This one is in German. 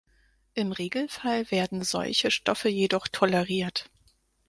Im Regelfall werden solche Stoffe jedoch toleriert.